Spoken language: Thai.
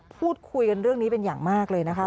พูดคุยกันเรื่องนี้เป็นอย่างมากเลยนะคะ